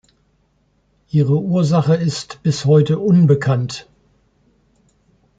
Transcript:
Ihre Ursache ist bis heute unbekannt.